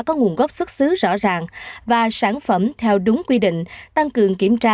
có nguồn gốc xuất xứ rõ ràng và sản phẩm theo đúng quy định tăng cường kiểm tra